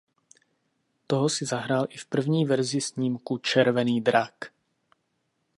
Toho si zahrál i v první verzi snímku "Červený drak".